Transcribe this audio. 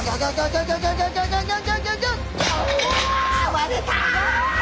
割れた！